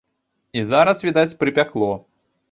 І зараз, відаць, прыпякло.